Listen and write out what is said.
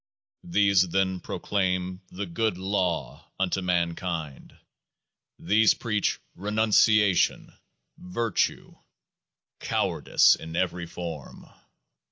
These then proclaim " The Good Law " unto mankind. These preach renunciation, " virtue ", cowardice in every form.